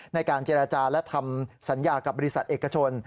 ในการเจรจาและทำสัญญากับบริษัทเอกชน